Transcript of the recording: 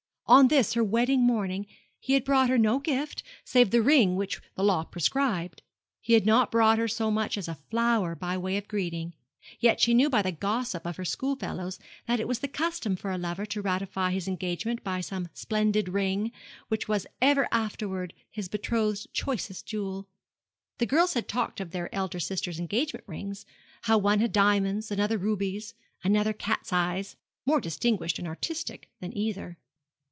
On this her wedding morning he had brought her no gift save the ring which the law prescribed. He had not brought her so much as a flower by way of greeting; yet she knew by the gossip of her schoolfellows that it was the custom for a lover to ratify his engagement by some splendid ring, which was ever afterwards his betrothed's choicest jewel. The girls had talked of their elder sisters' engagement rings: how one had diamonds, another rubies, another catseyes, more distinguished and artistic than either.